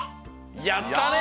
やったね！